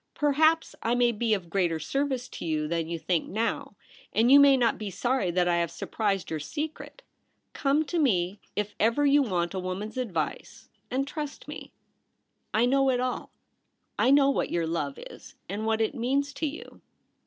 Perhaps I may be of greater service to you than you think now. and you may not be sorry that I have surprised your secret. Come to me if ever you want a woman's advice — and trust me. I know it all : I know what your love is, and what It means to you.